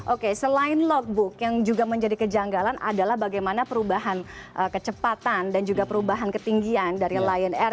oke selain logbook yang juga menjadi kejanggalan adalah bagaimana perubahan kecepatan dan juga perubahan ketinggian dari lion air